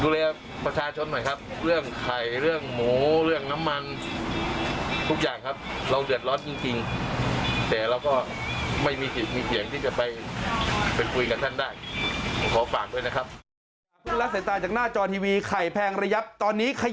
เราเดือดร้อนจริงแต่เราก็ไม่มีเสียงที่จะไป